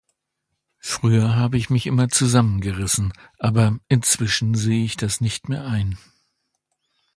Früher habe ich mich immer zusammengerissen, aber inzwischen sehe ich das nicht mehr ein.